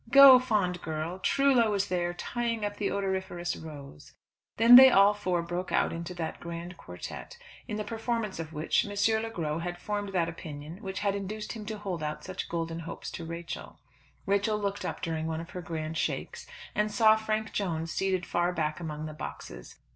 "Go, fond girl. Trullo is there, tying up the odoriferous rose." Then they all four broke out into that grand quartette, in the performance of which M. Le Gros had formed that opinion which had induced him to hold out such golden hopes to Rachel. Rachel looked up during one of her grand shakes and saw Frank Jones seated far back among the boxes.